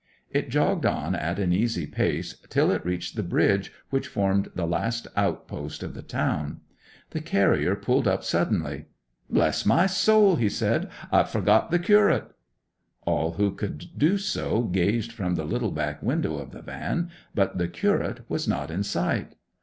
It jogged on at an easy pace till it reached the bridge which formed the last outpost of the town. The carrier pulled up suddenly. 'Bless my soul!' he said, 'I've forgot the curate!' All who could do so gazed from the little back window of the van, but the curate was not in sight.